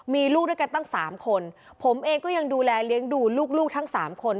มีลูกด้วยกันตั้งสามคนผมเองก็ยังดูแลเลี้ยงดูลูกทั้งสามคน